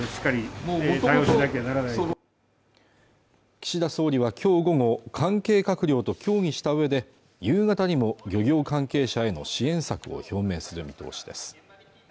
岸田総理は今日午後関係閣僚と協議したうえで夕方にも漁業関係者への支援策を表明する見通しです